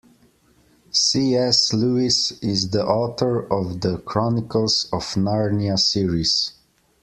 C.S. Lewis is the author of The Chronicles of Narnia series.